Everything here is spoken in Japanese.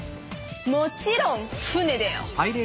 もちろん船でよ！